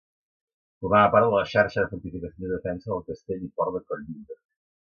Formava part de la xarxa de fortificacions de defensa del castell i port de Cotlliure.